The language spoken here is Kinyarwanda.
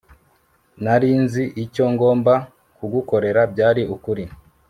nari nzi icyo ngomba kugukorera byari ukuri